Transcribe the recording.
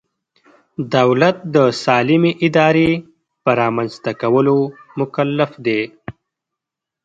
دولت د سالمې ادارې په رامنځته کولو مکلف دی.